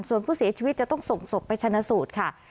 ส่วนผู้เสียชีวิตจะต้องส่งศพไปชนะสูตรค่ะ